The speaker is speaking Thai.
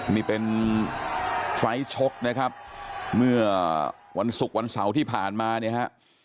นี่เป็นไฟล์ชกนะครับเมื่อวันศุกร์วันเสาร์ที่ผ่านมาเนี่ยฮะ